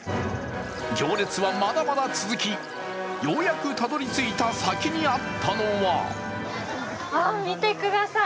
行列はまだまだ続きようやくたどりついた先にあったのはあっ、見てください